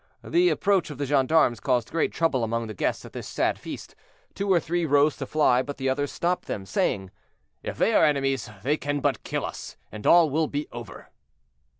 The approach of the gendarmes caused great trouble among the guests at this sad feast; two or three rose to fly, but the others stopped them, saying, "If they are enemies they can but kill us, and all will be over."